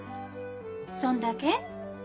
そんだけ？